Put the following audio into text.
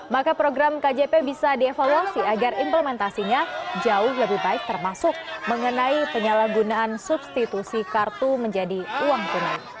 maka program kjp bisa dievaluasi agar implementasinya jauh lebih baik termasuk mengenai penyalahgunaan substitusi kartu menjadi uang tunai